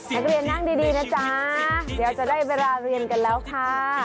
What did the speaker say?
นักเรียนนั่งดีนะจ๊ะเดี๋ยวจะได้เวลาเรียนกันแล้วค่ะ